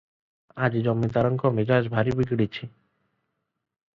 ଆଜି ଜମାଦାରଙ୍କ ମିଜାଜ ଭାରି ବିଗିଡ଼ିଛି ।